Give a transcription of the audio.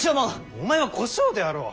お前は小姓であろう。